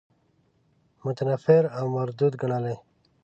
متنفر او مردود ګڼلی.